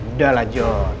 udah lah jon